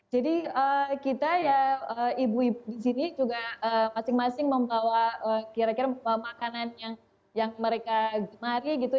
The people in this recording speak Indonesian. jadi kita ya ibu ibu di sini juga masing masing membawa kira kira makanan yang mereka gemari gitu